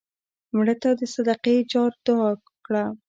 مړه ته د صدقې جار دعا وکړه